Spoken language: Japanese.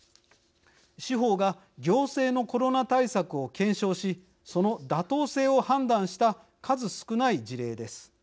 司法が行政のコロナ対策を検証しその妥当性を判断した数少ない事例です。